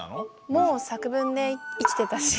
もう作文で生きてたし。